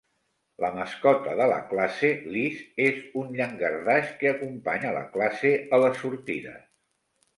La mascota de la classe, Liz, és un llangardaix que acompanya la classe a les sortides.